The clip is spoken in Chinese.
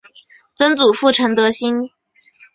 曾祖父陈德兴。